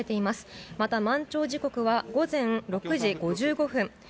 また満潮時刻は午前６時５５分。